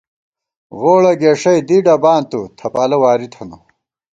غوڑہ گېݭئ دی ڈباں تُو ، تھپالہ واری تھنہ